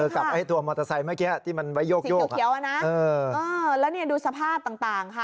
ใช่ค่ะสีเขียวน่ะเออแล้วนี่ดูสภาพต่างค่ะ